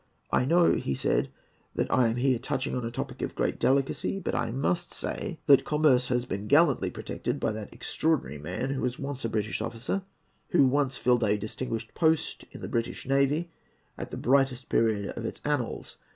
"I know," he said, "that I am here touching on a topic of great delicacy; but I must say that commerce has been gallantly protected by that extraordinary man who was once a British officer, who once filled a distinguished post in the British navy at the brightest period of its annals.